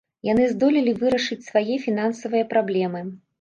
Яны здолелі вырашыць свае фінансавыя праблемы.